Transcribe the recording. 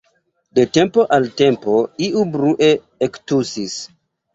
De tempo al tempo iu brue ektusis.